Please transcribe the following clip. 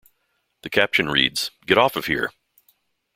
The caption reads, Get off of here!